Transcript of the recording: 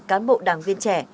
cán bộ đảng viên trẻ